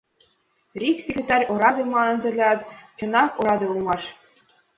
РИК секретарь ораде маныт ылят, чынак ораде улмаш.